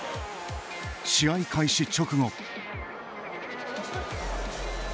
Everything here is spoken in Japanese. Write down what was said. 試合開始直後。